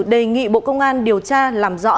đề nghị bộ công an điều tra làm rõ